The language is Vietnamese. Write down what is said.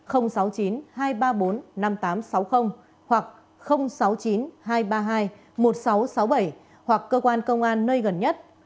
hoặc sáu mươi chín hai trăm ba mươi hai một nghìn sáu trăm sáu mươi bảy hoặc cơ quan công an nơi gần nhất